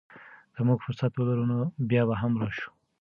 که موږ فرصت ولرو، بیا به هم راشو.